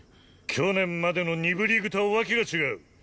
去年までの２部リーグとは訳が違う。